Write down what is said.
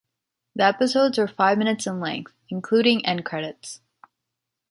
The episodes were five minutes in length, including end credits.